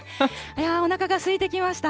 おなかがすいてきました。